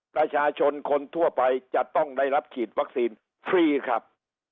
ประชาชนคนทั่วไปจะต้องได้รับฉีดวัคซีนฟรีครับ